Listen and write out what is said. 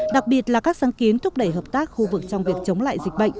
đặc biệt là các sáng kiến thúc đẩy hợp tác khu vực trong việc chống lại dịch bệnh